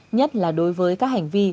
nhất là đối với các hành vi